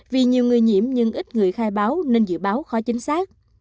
vì nhiều người nhiễm nhưng ít người khai báo nên dự báo khó chính xác